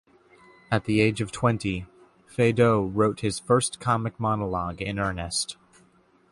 At the age of twenty, Feydeau wrote his first comic monologue in earnest.